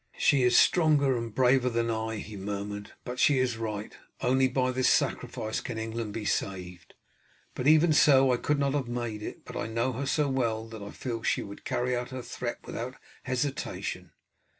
"She is stronger and braver than I," he murmured; "but she is right. Only by this sacrifice can England be saved, but even so I could not have made it; but I know her so well that I feel she would carry out her threat without hesitation."